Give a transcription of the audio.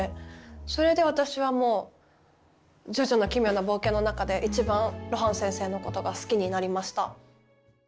それで私はもう「ジョジョの奇妙な冒険」の中で一番露伴先生のことが好きになりました。